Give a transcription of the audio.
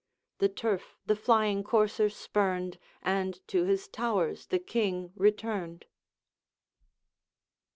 The turf the flying courser spurned, And to his towers the King returned.